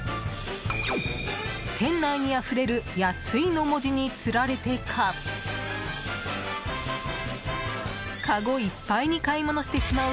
店内にあふれる安いの文字につられてかかごいっぱいに買い物してしまう